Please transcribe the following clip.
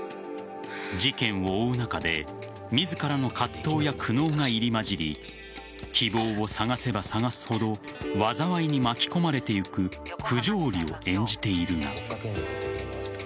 事件を追う中で自らの葛藤や苦悩が入り交じり希望を探せば探すほど災いに巻き込まれていく不条理を演じているが。